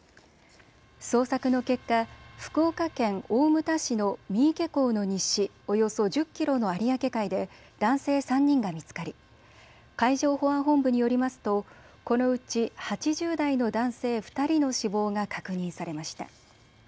捜索の結果、福岡県大牟田市の三池港の西およそ１０キロの有明海で男性３人が見つかり、海上保安本部によりますとこのうち８０代の男性２人の死亡が確認されました。